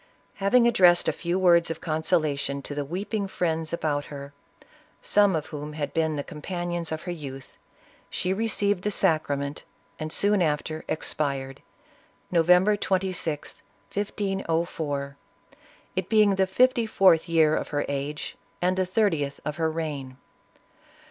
Having addressed a few words of consolation to the weeping friends about her, some of whom had been the companions of her youth, she received the Sacrament, and soon after expired, November 26th, 1504, it being the fifty fourth year of her age and the thirtieth of her reign.